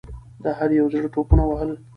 د هر یوه زړه ټوپونه وهل.